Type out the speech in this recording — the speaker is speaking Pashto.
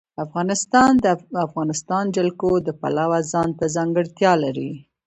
افغانستان د د افغانستان جلکو د پلوه ځانته ځانګړتیا لري.